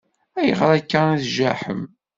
Ayɣer akka i tjaḥem?